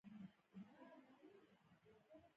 پامیر د افغانانو د تفریح یوه ښه وسیله ده.